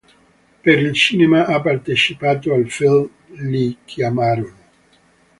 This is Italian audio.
Per il cinema ha partecipato al film "Li chiamarono...